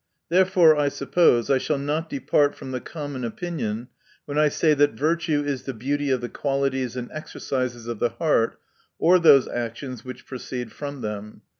Therefore I suppose, I shall not depart from the common opinion, when I say, that virtue is the beauty of the qualities and exercises of the heart, or those actions which proceed from them.